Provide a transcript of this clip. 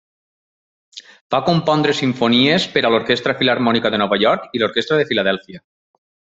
Va compondre simfonies per a l'Orquestra Filharmònica de Nova York i l'Orquestra de Filadèlfia.